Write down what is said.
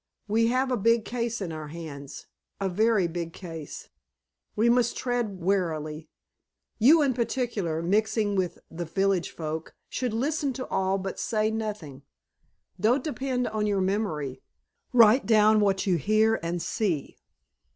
"We have a big case in our hands, a very big case. We must tread warily. You, in particular, mixing with the village folk, should listen to all but say nothing. Don't depend on your memory. Write down what you hear and see.